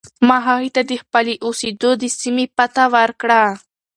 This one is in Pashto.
ما هغې ته د خپلې اوسېدو د سیمې پته ورکړه.